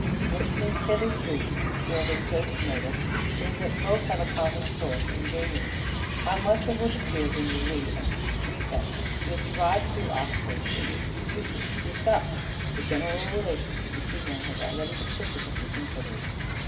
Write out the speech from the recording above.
What seems hitherto to have escaped notice is that both have a common source in Burleigh. How much of what appears in Lyly of these precepts was derived through Oxford it would be useless to discuss. The general relations of the two men has already been sufficiently considered.